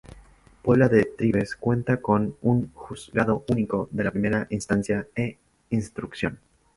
Puebla de Trives cuenta con un Juzgado único de Primera Instancia e Instrucción.